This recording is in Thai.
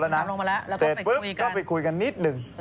เสร็จปุ๊บก็ไปคุยกันนิดหนึ่ง